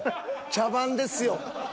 茶番ですよ。